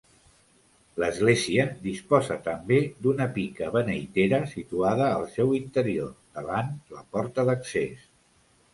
L'església disposa també d'una pica beneitera situada al seu interior, davant la porta d'accés.